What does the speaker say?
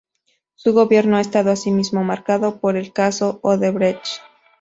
Su gobierno ha estado asimismo marcado por el caso Odebrecht.